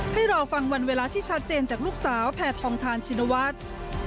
ให้รอฟังวันเวลาที่ชัดเจนจากลูกสาวแพทองทานชินวัฒน์